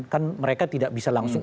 kan mereka tidak bisa langsung